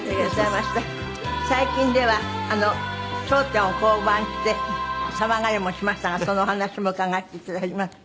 最近では『笑点』を降板して騒がれもしましたがそのお話も伺わせて頂きます。